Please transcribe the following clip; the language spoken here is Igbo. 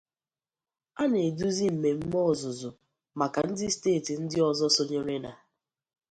A na-eduzi mmemme ọzụzụ maka ndị steeti ndị ọzọ sonyere na.